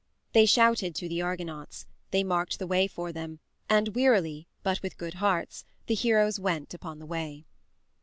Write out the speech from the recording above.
They shouted to the Argonauts; they marked the way for them, and wearily, but with good hearts, the heroes went upon the way.